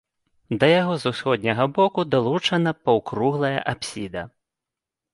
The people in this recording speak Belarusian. Да яго з усходняга боку далучана паўкруглая апсіда.